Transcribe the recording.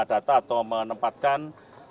data atau menempatkan